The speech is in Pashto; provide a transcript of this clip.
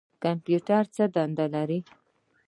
کمپیوټر څه دنده لري؟